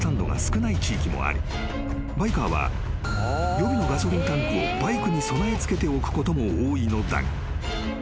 ［バイカーは予備のガソリンタンクをバイクに備え付けておくことも多いのだが］